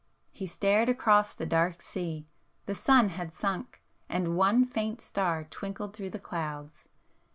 He stared across the dark sea,—the sun had sunk, and one faint star twinkled through the clouds.